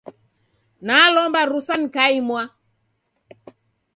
Nelomba rusa nikaimwa.